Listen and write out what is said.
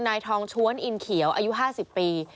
นายทองช้วนอินเขียวอายุ๕๐ปี